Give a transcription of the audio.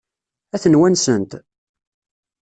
Ad ten-wansent?